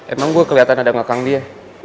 emang gue keliatan ada ngekang dia